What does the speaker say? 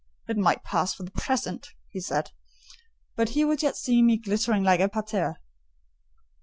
"It might pass for the present," he said; "but he would yet see me glittering like a parterre."